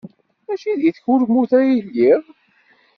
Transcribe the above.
Maci deg tkurmut ay lliɣ.